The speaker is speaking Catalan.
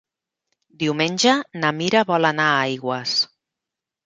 Diumenge na Mira vol anar a Aigües.